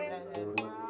lidahnya juga lurih